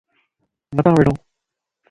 متان وڙو